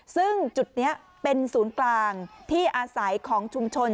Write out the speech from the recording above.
ซึ่งจุดนี้เป็นศูนย์กลางที่อาศัยของชุมชน